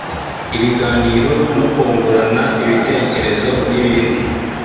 ibiganiro no kungurana ibitekerezo n’ibindi